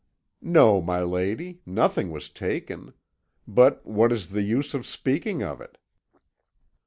"No, my lady, nothing was taken; but what is the use of speaking of it?"